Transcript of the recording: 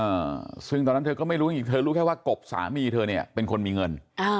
อ่าซึ่งตอนนั้นเธอก็ไม่รู้จริงเธอรู้แค่ว่ากบสามีเธอเนี่ยเป็นคนมีเงินอ่า